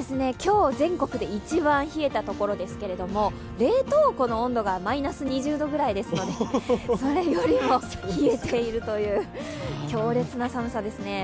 今日全国で一番冷えたところですけども冷凍庫の温度がマイナス２０度ぐらいですので、それよりも冷えているという、強烈な寒さですね。